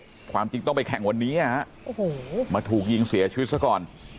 แต่ความจริงต้องไปแข่งวันนี้มาถูกยิงเสียชีวิตซะก่อน